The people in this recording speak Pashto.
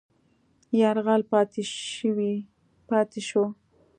یرغل پاتې شو.